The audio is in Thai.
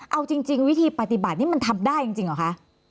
เอาจริงวิธีปฏิบัตินี้มันทำได้จริงเหรอคะ